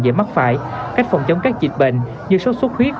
dễ mắc phải cách phòng chống các dịch bệnh như sốt sốt huyết